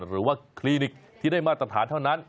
หรือว่าคลินิกที่ได้มาตรฐานเท่านั้น